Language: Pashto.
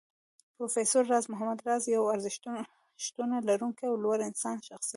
پروفېسر راز محمد راز يو ارزښتونه لرونکی او لوړ انساني شخصيت و